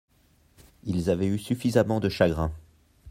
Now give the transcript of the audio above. Ils avaient eu suffisamment de chagrin.